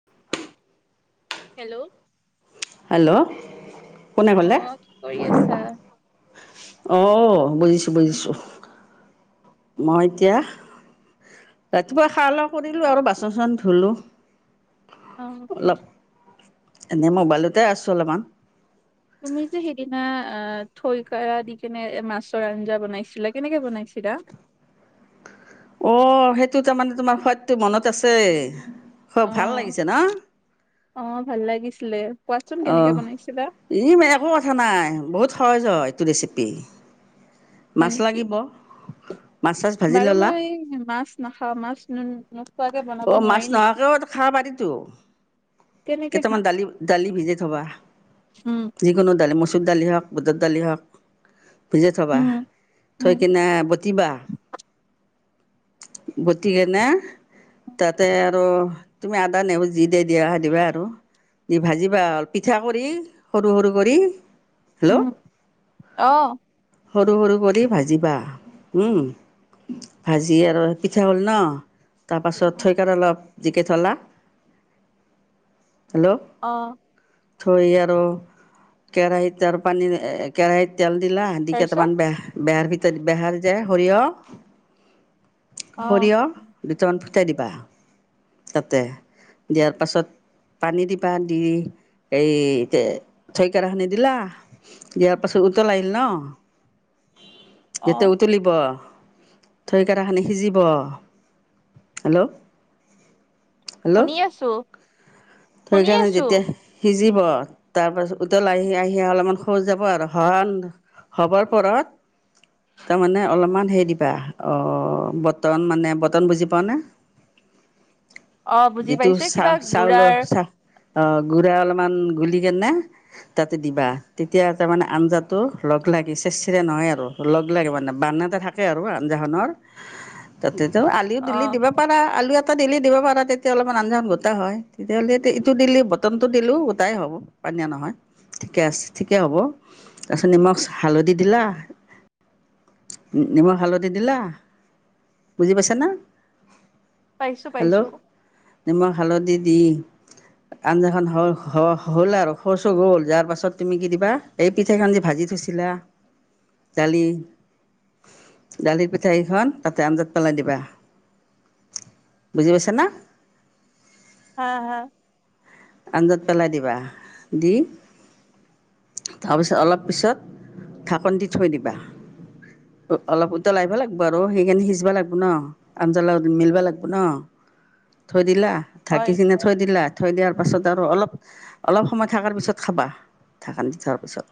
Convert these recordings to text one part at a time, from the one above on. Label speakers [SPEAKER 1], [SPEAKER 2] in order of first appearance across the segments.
[SPEAKER 1] [unintelligible]
[SPEAKER 2] Hello
[SPEAKER 1] hello কোনে
[SPEAKER 2] অ
[SPEAKER 1] ক'লে?
[SPEAKER 2] কি কৰি আছা
[SPEAKER 1] অ বুজিছোঁ বুজিছোঁ। মই এতিয়া ৰাতিপুৱা খা লোৱা কৰিলো আৰু বাচন চাচন ধুলো।
[SPEAKER 2] অ।
[SPEAKER 1] অলপ, এনেই মোবাইলতে আছোঁ অলপমান।
[SPEAKER 2] তুমি যে সেইদিনা আ থৈকাৰা দি কেনে মাছৰ আঞ্জা বনাইছিলা, কেনেকে বনাইছিলা?
[SPEAKER 1] অ সেইটো তাৰমানে তোমাৰ সোৱাদটো মনত আছে,
[SPEAKER 2] অ
[SPEAKER 1] খোৱা ভাল লাগিছে ন?
[SPEAKER 2] অ ভাল লাগিছিলে। কোৱাচোন কেনেকে বনাইছিলা?
[SPEAKER 1] ইম একো কথা নাই। বহুত সহজ হয় এইটো ৰেচিপি।
[SPEAKER 2] হয়
[SPEAKER 1] মাছ
[SPEAKER 2] নেকি
[SPEAKER 1] লাগিব, মাছ চাছ ভাজি
[SPEAKER 2] বাৰু
[SPEAKER 1] ল'লা
[SPEAKER 2] মই মাছ নাখাওঁ, মাছ নো নোখোৱাকে বনাব নোৱাৰি নেকি?
[SPEAKER 1] খাবা পাৰিটো।
[SPEAKER 2] কেনেকে
[SPEAKER 1] কেইটামান
[SPEAKER 2] খাম
[SPEAKER 1] দালি দালি ভিজাই থবা।
[SPEAKER 2] উম
[SPEAKER 1] যিকোনো দালি মচুৰ দালি হওক, বুটৰ দালি হওক। ভিজাই থবা।
[SPEAKER 2] উম
[SPEAKER 1] থৈ
[SPEAKER 2] উম
[SPEAKER 1] কিনে বতিবা। বতি কিনে, তাতে আৰু, তুমি আদা নেহুৰ যি দেয়ে দিয়া দিবা আৰু। দি ভাজিবা হ'ল, পিঠা কৰি, সৰু সৰু কৰি। হেল্ল'
[SPEAKER 2] উম অ
[SPEAKER 1] সৰু সৰু কৰি ভাজিবা উম। ভাজি আৰু পিঠা হ'ল ন, তাৰপাছত,
[SPEAKER 2] উম,
[SPEAKER 1] থৈ কাৰা অলপ জিকেই থলা। হেল্ল'
[SPEAKER 2] অঁ।
[SPEAKER 1] থৈ আৰু কেৰাহীতে আৰু পানী এ কেৰাহীত তেল দিলা দি কেইটামান
[SPEAKER 2] তাৰপিছত
[SPEAKER 1] বেহাৰ বেহাৰ ফুতে বেহাৰ যে সৰিয়হ,
[SPEAKER 2] অ
[SPEAKER 1] সৰিয়হ দুটামান ফুটাই দিবা তাতে দিয়াৰ পাছত পানী দি দি এই থৈকাৰখিনি দিলা দিয়াৰ পাছত উতল আহিল ন
[SPEAKER 2] অ
[SPEAKER 1] যেতিয়া উতলিব থৈকাৰাখিনি সিজিব হেল্ল'। হেল্ল'
[SPEAKER 2] শুনি আছোঁ।
[SPEAKER 1] থৈকাৰাখিনি যেতিয়া সিজিব তাৰপাছত উতল আহি আহি অলপমান হৈ যাব আৰু সৰল হ'বৰ পৰত তাৰমানে অলপমান সেই দিবা অ', বটন মানে বটন বুজি পোৱানে?
[SPEAKER 2] অ বুজি
[SPEAKER 1] যিটো
[SPEAKER 2] পাইছো
[SPEAKER 1] চা
[SPEAKER 2] কিবা
[SPEAKER 1] চাউলৰ
[SPEAKER 2] গুড়াৰ
[SPEAKER 1] অ', গুৰা অলপমান গুলি কিনে তাতে দিবা তেতিয়া তাৰ মানে আঞ্জাটো লগ লাগি চেৰ চেৰা নহয় আৰু লগ লাগে মানে বান্ধ এটা থাকে তাকে আৰু আঞ্জাখনৰ তাতেতো আলি
[SPEAKER 2] অ
[SPEAKER 1] দিলি দিব পৰা আলু দিলি দিব পাৰা তেতিয়া অলপমান আঞ্জাখন গোটা হয়। তেতিয়াহ'লে ইটো দিলে বটনতটো দিলেও গোটাই হ'ব পনীয়া নহয়। ঠিকে আছে ঠিকে হ'ব, তাচত নিমখ হালধি দিলা নিমখ হালধি দিলা বুজি পাইছা না।
[SPEAKER 2] পাইছো পাইছো
[SPEAKER 1] হেল্ল' নিমখ হালধি দি আঞ্জাখন হ-হহ-হ'ল আৰু শচ গ'ল তাৰ পাছত তুমি কি দিবা? এই পিঠাখন যে ভাজি থৈছিলা, দালি দালিৰ পিঠা কেইখন তাতে আঞ্জাত পেলাই দিবা। বুজি পাইছা না'।
[SPEAKER 2] হা হা।
[SPEAKER 1] আঞ্জাত পেলাই দিবা, দি তাৰপিছত অলপ পিছত ঢাকনি দি থৈ দিবা। অ', অলপ উতল আহিবা লাগিব আৰু সেইখিনি সিজবা লাগিব ন। আঞ্জাৰ লগত মিলিবা লাগিব ন থৈ দিলা ঢাকি
[SPEAKER 2] হয়
[SPEAKER 1] কিনে থৈ দিলা থৈ দিয়াৰ তাৰপাছত আৰু অলপ অলপ সময় থাকাৰ পিছত খাবা ঢাকান দি থোৱাৰ পিছত।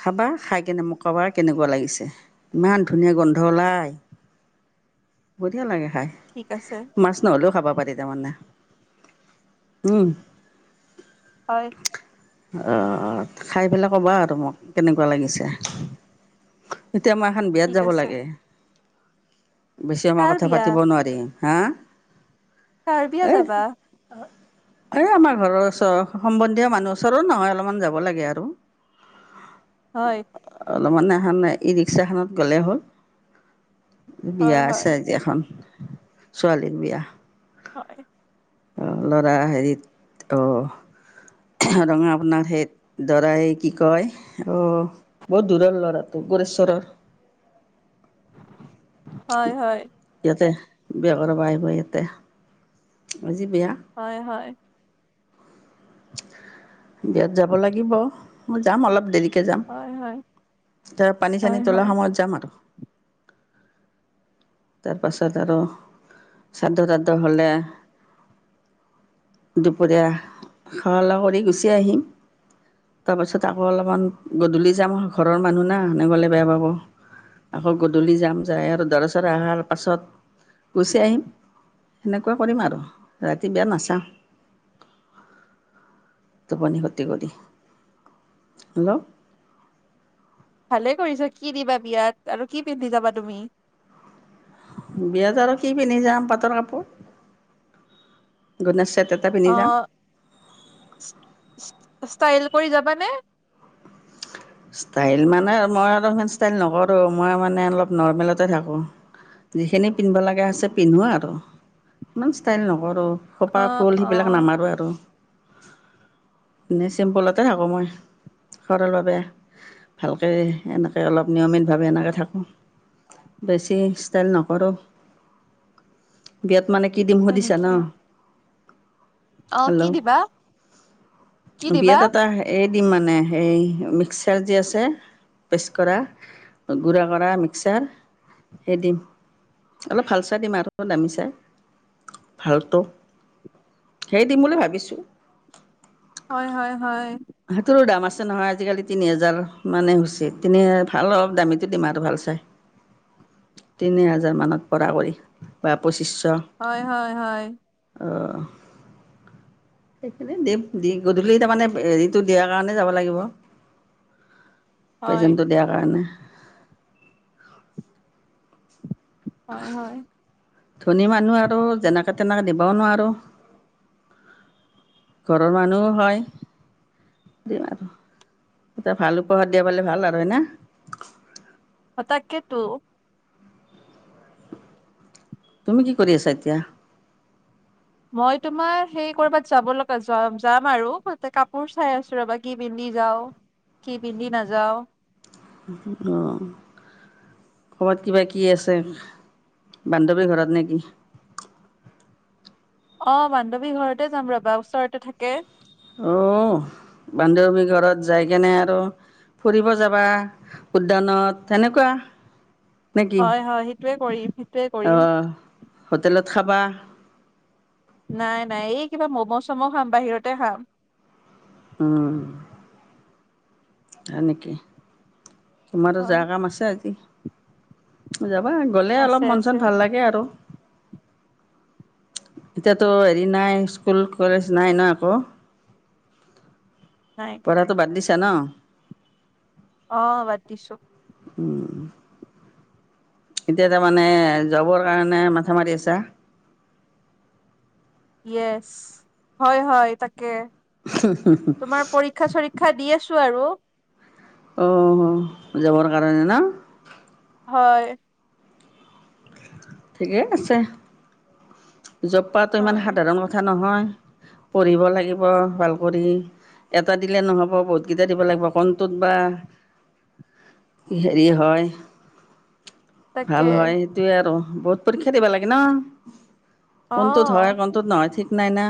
[SPEAKER 1] খাবা খাই কিনে মোক কবা কেনেকুৱা লাগিছে। ইমান ধুনীয়া গোন্ধ ওলাই বঢ়িয়া লাগে খাই।
[SPEAKER 2] ঠিক আছে।
[SPEAKER 1] মাছ নহ'লেও খাব পাৰি তাৰমানে। উম।
[SPEAKER 2] হয়।
[SPEAKER 1] অ', খাই পেলাই ক'বা আৰু মোক, কেনেকুৱা লাগিছে। এতিয়া মই এখন বিয়াত
[SPEAKER 2] ঠিক
[SPEAKER 1] যাব
[SPEAKER 2] আছে
[SPEAKER 1] লাগে। বেছি সময়
[SPEAKER 2] কাৰ
[SPEAKER 1] কথা
[SPEAKER 2] বিয়া
[SPEAKER 1] পাতিব নোৱাৰি হা
[SPEAKER 2] কাৰ বিয়া
[SPEAKER 1] এ
[SPEAKER 2] যাবা
[SPEAKER 1] এই আমাৰ ঘৰৰ ওচৰ সম্বন্ধীয় মানুহ ওচৰৰ নহয় অলপমান যাব লাগে আৰু। [inaudible]
[SPEAKER 2] হয়।
[SPEAKER 1] অলপমান এহান ই-ৰিক্সা খনত গ'লে হ'ল।
[SPEAKER 2] হয়
[SPEAKER 1] বিয়া আছে
[SPEAKER 2] হয়
[SPEAKER 1] আজি এখন ছোৱালীৰ বিয়া।
[SPEAKER 2] হয়।
[SPEAKER 1] আ, হেৰিত অ'। ৰঙা আপোনাৰ সেই, দৰাই কি কয়, অ' বহুত দূৰৰ ল'ৰাটো, গৌৰেশ্বৰৰ।
[SPEAKER 2] হয় হয়।
[SPEAKER 1] ইয়াতে বিয়া কৰাব আহিব ইয়াতে। আজি বিয়া।
[SPEAKER 2] হয় হয়।
[SPEAKER 1] বিয়াত যাব লাগিব, মই যাম অলপ দেৰি কে যাম।
[SPEAKER 2] হয় হয়
[SPEAKER 1] তাৰ পানী
[SPEAKER 2] হয়
[SPEAKER 1] চানী তোলাৰ
[SPEAKER 2] হয়
[SPEAKER 1] সময়ত যাম আৰু। তাৰ পাছত আৰু চাদ্ধ তাদ্ধ হ'লে দুপৰীয়া খাৱা লাৱা কৰি গুচি আহিম। তাৰপাছত আকৌ অলপমান গধূলি যাম, ঘৰৰ মানুহ না, নগলে বেয়া পাব। আকৌ গধূলি যাম যাই আৰু দৰা চৰা অহাৰ পাছত গুচি আহিম। সেনেকুৱা কৰিম আৰু, ৰাতি বিয়া নাচাওঁ। টোপনি খতি কৰি। হেল্ল'।
[SPEAKER 2] ভালে কৰিছা। কি দিবা বিয়াত আৰু কি পিন্ধি যাবা তুমি?
[SPEAKER 1] বিয়াত আৰু কি পিন্ধি যাম, পাটৰ কাপোৰ। গন্নেচে তাত
[SPEAKER 2] অ' ষ্টাইল কৰি যাবানে?
[SPEAKER 1] ষ্টাইল মানে মই অলপমান ষ্টাইল নকৰোঁ, মই মানে অলপ নৰ্মেলতে থাকোঁ। যিখিনি পিন্ধিব লগা আছে পিন্ধো আৰু, ইমান ষ্টাইল নকৰোঁ।
[SPEAKER 2] অ
[SPEAKER 1] খোপা, ফুল
[SPEAKER 2] অ
[SPEAKER 1] সেইবিলাক নামাৰো আৰু। এনেই চিম্পুলতে থাকোঁ মই, সৰলৰে। ভালকে এনেকে অলপ নিয়মিত ভাৱে এনেকে থাকোঁ। বেছি ষ্টাইল নকৰোঁ। বিয়াত মানে কি দিম
[SPEAKER 2] হয়
[SPEAKER 1] সুধিছা
[SPEAKER 2] নেকি
[SPEAKER 1] ন'?
[SPEAKER 2] অ
[SPEAKER 1] হেল্ল'।
[SPEAKER 2] কি দিবা কি দিবা
[SPEAKER 1] বিয়াত এটা এই দি মানে সেই মিক্স [unintelligible] যি আছে পেষ্ট কৰা, গুড়া কৰা মিক্সাৰ সেই দিম। অলপ ভাল চাই দিম আৰু দামী চাই। ভালটো, সেই দিম বুলি ভাবিছোঁ।
[SPEAKER 2] হয় হয় হয়।
[SPEAKER 1] সেইটোৰো দাম আছে নহয় আজিকালি। তিনি হেজাৰ মানে হৈছে। তিনি হেজা ভাল অলপ দামীটো দিম আৰু ভাল চাই। তিনি হাজাৰ মানত পৰা কৰি বা পঁচিছশ।
[SPEAKER 2] হয় হয় হয়।
[SPEAKER 1] অ'। সেইখিনি দিম, দি গধূলি তাৰমানে হেৰিটো দিয়াৰ কাৰণে যব লাগিব।
[SPEAKER 2] হয়
[SPEAKER 1] প্ৰেজেণ্টটো দিয়াৰ কাৰণে।
[SPEAKER 2] হয় হয়।
[SPEAKER 1] ধনী মানুহ আৰু যেনেকা তেনেকা দিবও নোৱাৰো। ঘৰৰ মানুহো হয়। দিম আৰু। এটা ভাল উপহাৰ দিবা পালে ভাল আৰু হয়না?
[SPEAKER 2] অ' তাকেতো।
[SPEAKER 1] তুমি কি কৰি আছা এতিয়া?
[SPEAKER 2] মই তোমাৰ সেই ক'ৰবাত যাব লগা য-যাম আৰু, ততে কাপোৰ চাই আছোঁ ৰ'বা। কি পিন্ধি যাও? কি পিন্ধি নাযাও?
[SPEAKER 1] অ্ কবাত কিবা কি আছে, বান্ধৱীৰ ঘৰত নে কি?
[SPEAKER 2] অ' বান্ধৱীৰ ঘৰতে যাম ৰবা- ওচৰতে থাকে।
[SPEAKER 1] অহ্' বান্ধৱী ঘৰত যাই কেনে আৰু ফুৰিব যাবা- উদ্যানত, তেনেকুৱা।
[SPEAKER 2] হয় হয় সেইটোৱে কৰিম সেইটোৱে কৰিম।
[SPEAKER 1] অঁ হোটেলত খাবা
[SPEAKER 2] নাই নাই এইকিবা মম-চম খাম বাহিৰতে খাম।
[SPEAKER 1] উম্ হয় নেকি? তোমাৰো
[SPEAKER 2] হয়
[SPEAKER 1] যাৱা কাম আছে আজি। যাবা! গ'লে অলপ
[SPEAKER 2] আছে
[SPEAKER 1] মন-চন
[SPEAKER 2] আছে
[SPEAKER 1] ভাল লাগে আৰু। এতিয়াতো হেৰি নাই স্কুল, কলেজ নাই না আকৌ?
[SPEAKER 2] নাই নাই
[SPEAKER 1] পৰাটো বাদ দিছা ন?
[SPEAKER 2] অঁ বাদ দিছোঁ।
[SPEAKER 1] উম্ এতিয়া তাৰ মানে জবৰ কাৰণে মাথা মাৰি আছা?
[SPEAKER 2] ইয়েচ। হয়-হয় তাকে। তোমাৰ পৰীক্ষ- ক্ষা-চৰীক্ষা দি আছো আৰু।
[SPEAKER 1] অঁ অঁ অঁ, জবৰ কাৰণে ন?
[SPEAKER 2] হয়।
[SPEAKER 1] ঠিকেই আছে। জব পাৱাটো ইমান
[SPEAKER 2] হয়
[SPEAKER 1] সাধাৰণ কথা নহয়। পঢ়িব লাগিব- ভাল কৰি। এটা দিলে নহ'ব বহুতকেইটা দিব লাগিব কনটোত বা হেৰি হয়
[SPEAKER 2] তাকে
[SPEAKER 1] ভাল হয় সেইটোয়ে আৰু, বহুত পৰীক্ষা দিবা লাগে না-
[SPEAKER 2] অ
[SPEAKER 1] কোনটোত হয় কোনটত নহয় ঠিক নাই না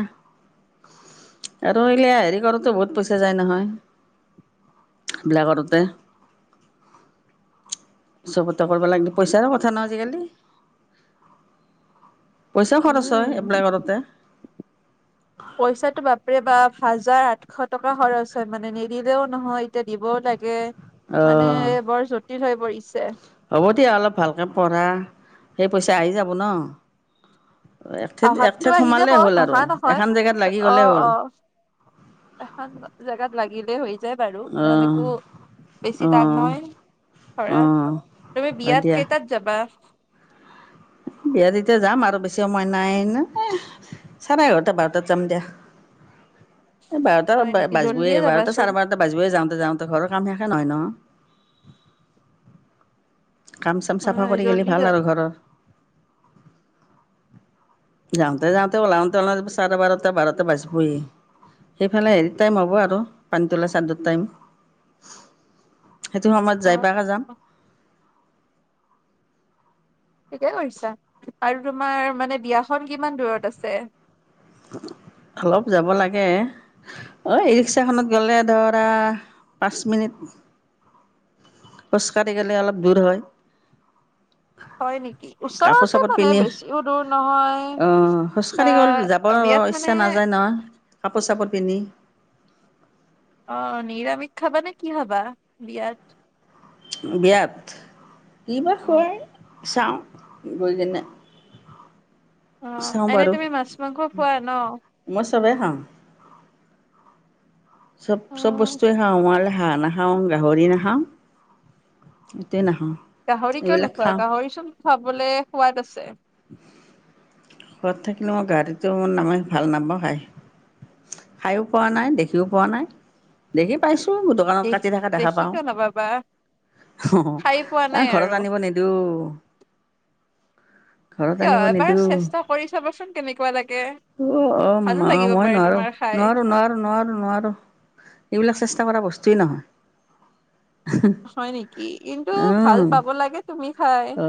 [SPEAKER 1] আৰু ইলা হেৰী কৰোতো বহুত পইচা যায় নহয়। ব্লা কৰোতে। চবতে কৰিব লাগ- পইচাৰ কথা নহ আজি-কালি। পইচাওঁ খৰচ হয়
[SPEAKER 2] উম
[SPEAKER 1] এপ্লাই কৰোঁতে।
[SPEAKER 2] পইচাটো বাপৰে বাপ, হাজাৰ-আঠশ টকা খৰচ হয় মানে নিদিলেও নহয় এতিয়া দিবওঁ লাগে। মানে
[SPEAKER 1] অ'।
[SPEAKER 2] বৰ জটিল হৈ পৰিছে।
[SPEAKER 1] হ'ব দিয়া অলপ ভালকে পঢ়া, সেই পইচা আহি যাব ন। ঠেত এক
[SPEAKER 2] অহাতটো
[SPEAKER 1] ঠেত
[SPEAKER 2] আহি যাব
[SPEAKER 1] সোমালেই হ'ল আৰু,
[SPEAKER 2] নহা নহয়।
[SPEAKER 1] এখন জেগাত লাগি গলে
[SPEAKER 2] অ',
[SPEAKER 1] হ'ল।
[SPEAKER 2] অ', এখন জেগাত লাগিলে হৈ যায় বাৰু ইমান
[SPEAKER 1] অঁ
[SPEAKER 2] একো, বেছি টান
[SPEAKER 1] অঁ
[SPEAKER 2] নয়। হয় হয়,
[SPEAKER 1] অঁ
[SPEAKER 2] তুমি
[SPEAKER 1] হয়
[SPEAKER 2] বিয়াত
[SPEAKER 1] দিয়া
[SPEAKER 2] কেইটাত যাবা?
[SPEAKER 1] বিয়াত এতিয়া যাম আৰু বেছি সময় নাই এনো, চাৰে এঘাৰতা-বাৰটাত যাম দিয়া। বাৰটা
[SPEAKER 2] হয় নেকি
[SPEAKER 1] বাজবৱে,
[SPEAKER 2] জল্দিয়ে
[SPEAKER 1] বাৰটা
[SPEAKER 2] যাবাচোন
[SPEAKER 1] চাৰে বাৰট টা বাজিবই যাওঁতে যাওঁতে- ঘৰৰ কাম শেষে নহয় ন। কাম-চাম
[SPEAKER 2] হয়
[SPEAKER 1] চাফা
[SPEAKER 2] হয়
[SPEAKER 1] কৰি গেলে
[SPEAKER 2] জল্দি যা
[SPEAKER 1] ভাল আৰু ঘৰৰ। যাওঁতে-যাওঁতে ওলাওঁতে-ওলাওতে চাৰে বাৰটা, বাৰটা বাজিবই। সেইফালে হেৰিত টাইম হ'ব আৰু পানীতলা চাদড টাইম। সেইটো সময়ত যাই
[SPEAKER 2] অ',
[SPEAKER 1] পাৱাকে যাম।
[SPEAKER 2] অ', ঠিকেই কৰিছা আৰু তোমাৰ মানে বিয়াখন কিমান দূৰত আছে
[SPEAKER 1] অলপ যাব লাগে অ ইৰিক্সাখনত গ'লে ধৰা পাঁচ মিনিট খোজকাঢ়ি গলে অলপ দূৰ হয়
[SPEAKER 2] হয় নেকি
[SPEAKER 1] কাপোৰ
[SPEAKER 2] ওচৰতে
[SPEAKER 1] চাপোৰ
[SPEAKER 2] মানে
[SPEAKER 1] পিন্ধি
[SPEAKER 2] বেছিও দূৰ নহয় আ
[SPEAKER 1] হয় হয় ইচ্ছা নাযায় নহয় কাপোৰ চাপোৰ পিন্ধি
[SPEAKER 2] অ নিৰামিষ খাবা নে কি খাবা বিয়াত
[SPEAKER 1] বিয়াত কিবা
[SPEAKER 2] অ
[SPEAKER 1] খোৱাই চাওঁ গৈ কিনে
[SPEAKER 2] অ
[SPEAKER 1] চাওঁ
[SPEAKER 2] এনে
[SPEAKER 1] বাৰু
[SPEAKER 2] তুমি মাছ মাংস খোৱা ন?
[SPEAKER 1] মই চবে খাওঁ চব
[SPEAKER 2] অ
[SPEAKER 1] চব বস্তুৱে খাওঁ মই খালি হাঁহ নাখাওঁ গাহৰি নাখাওঁ এইটোৱে নাখাওঁ
[SPEAKER 2] গাহৰি কিয়
[SPEAKER 1] এইবিলাক
[SPEAKER 2] নোখোৱা
[SPEAKER 1] খাওঁ
[SPEAKER 2] গাহৰি চোন খাবলৈ সোৱাদ আছে
[SPEAKER 1] সোৱাদ থাকিলেও মই গাহৰিটো মোৰ মানে ভাল নাপাওঁ খায় খায়ো পোৱা নাই দেখিওঁ পোৱা নাই দেখি পাইছোঁ দোকানত
[SPEAKER 2] দেখ
[SPEAKER 1] কাটি থকা দেখা
[SPEAKER 2] দেখি
[SPEAKER 1] পাওঁ
[SPEAKER 2] কিয় নাপাবা
[SPEAKER 1] অ
[SPEAKER 2] খাই পোৱা
[SPEAKER 1] আহ
[SPEAKER 2] নাই
[SPEAKER 1] ঘৰত
[SPEAKER 2] আৰু
[SPEAKER 1] আনিব নিদিওঁ ঘৰত
[SPEAKER 2] কিয়
[SPEAKER 1] আনিব
[SPEAKER 2] এবাৰ
[SPEAKER 1] নিদিওঁ
[SPEAKER 2] চেষ্টা কৰি চাবচোন কেনেকুৱা লাগে
[SPEAKER 1] অ অ
[SPEAKER 2] ভালো
[SPEAKER 1] মা
[SPEAKER 2] লাগিব
[SPEAKER 1] মই
[SPEAKER 2] পাৰে
[SPEAKER 1] নোৱাৰোঁ
[SPEAKER 2] তোমাৰ খাই
[SPEAKER 1] নোৱাৰোঁ নোৱাৰোঁ নোৱাৰোঁ নোৱাৰোঁ এইবিলাক চেষ্টা কৰা বস্তুয়ে নহয়
[SPEAKER 2] হয় নেকি কিন্তু ভাল
[SPEAKER 1] অ'
[SPEAKER 2] পাব লাগে তুমি খাই
[SPEAKER 1] অ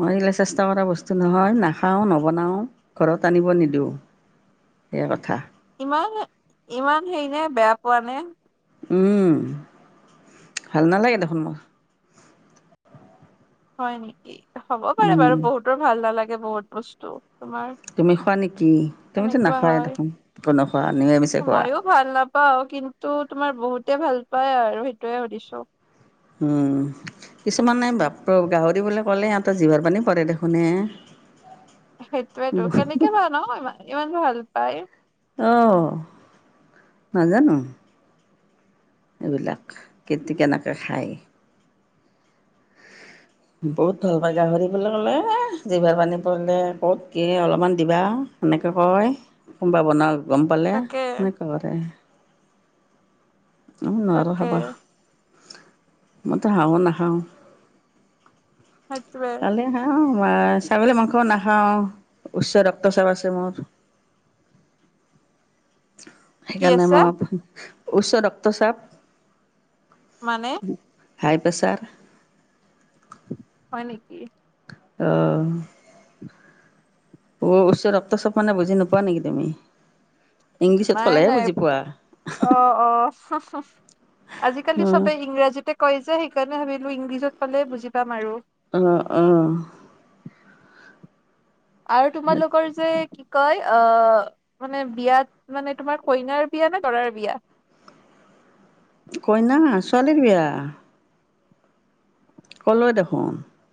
[SPEAKER 1] মই এইবিলাক চেষ্টা কৰা বস্তু নহয় নাখাওঁ নবনাওঁ ঘৰত আনিব নিদিওঁ এই কথা
[SPEAKER 2] ইমান ইমান হেৰি নে বেয়া পোৱা নে
[SPEAKER 1] উম ভাল নালাগে দেখোন মোৰ
[SPEAKER 2] হয় নেকি হ'ব পাৰে
[SPEAKER 1] উম,
[SPEAKER 2] বাৰু বহুতৰ ভাল নালাগে বহুত বস্তু তোমাৰ
[SPEAKER 1] তুমি খোৱা নেকি তুমিতো
[SPEAKER 2] সেনেকুৱা
[SPEAKER 1] নাখোৱাই
[SPEAKER 2] হয়
[SPEAKER 1] দেখোন কোনে খোৱা এনে মিছা খোৱা
[SPEAKER 2] মইয়ো ভাল নাপাওঁ কিন্তু তোমাৰ বহুতে ভাল পায় আৰু সেইটোয়ে সুধিছোঁ
[SPEAKER 1] উম কিছুমানে বাপৰে বাপ গাহৰি বুলি ক'লে ইিহঁতৰ জিভাৰ পানী পৰে দেখোনয়ে
[SPEAKER 2] সেইটোৱেতো কেনেকে বা ন ইমান ইমান ভাল পাই
[SPEAKER 1] অ নাজানোঁ এইবিলাক কেতি কেনেকৈ খায় বহুত ভাল পায় গাহৰি বুলি ক'লে জিভাৰ পানী পৰিলে ক'ত কি অলপমান দিবা সেনেকৈ কয় কোনোবা বনোৱা গম পালে
[SPEAKER 2] তাকে
[SPEAKER 1] সেনেকুৱা কৰে আমি নোৱাৰো
[SPEAKER 2] তাকে
[SPEAKER 1] খাবা মইতো হাঁহ ও নাখাওঁ
[SPEAKER 2] সেটোৱে
[SPEAKER 1] খালে ছাগলী মাংস নাখাওঁ উচ্চ ৰক্তৰ চাপ আছে মোৰ
[SPEAKER 2] কি
[SPEAKER 1] সেইকাৰণে
[SPEAKER 2] আছে
[SPEAKER 1] মই উচ্চ ৰক্তৰ চাপ
[SPEAKER 2] মানে
[SPEAKER 1] হাই প্ৰেচাৰ
[SPEAKER 2] হয় নেকি
[SPEAKER 1] অহ অ উচ্চ ৰক্ত চাপ মানে বুজি নোপোৱা নেকি তুমি ইংলিছত
[SPEAKER 2] নাই
[SPEAKER 1] ক'লেহে
[SPEAKER 2] নাই
[SPEAKER 1] বুজি পোৱা
[SPEAKER 2] অ অ হ হ আজিকালি
[SPEAKER 1] অ
[SPEAKER 2] চবে ইংৰাজীতে কয় যে সেইকাৰণে ভাবিলো ইংলিছত কালে বুজি পাম আৰু।
[SPEAKER 1] উম উম।
[SPEAKER 2] আৰু তোমালোকৰ যে। কয় অ মানে বিয়াত মানে তোমাৰ কইনাৰ বিয়া নে দৰাৰ বিয়া।
[SPEAKER 1] কইনা ছোৱালীৰ বিয়া। ক'লৈয়ে দেখোন।